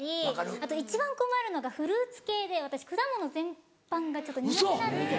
あと一番困るのがフルーツ系で私果物全般がちょっと苦手なんですよ。